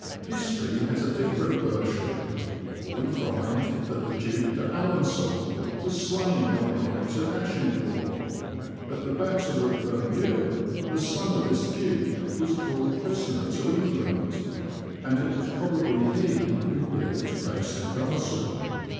History has a different version, for we find that the Duke d'Alen^on was slain outright at Agincourt. At the battle of Verneuil, the son of this Duke was brought prisoner to England, and it was probably he who built Caister Castle.